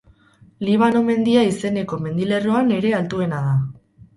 Libano mendia izeneko mendilerroan ere altuena da.